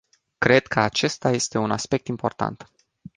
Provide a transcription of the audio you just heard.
Cred că acesta este un aspect important.